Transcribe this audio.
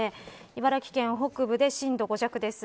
茨城県北部で震度５弱です。